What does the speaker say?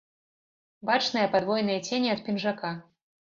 Бачныя падвойныя цені ад пінжака.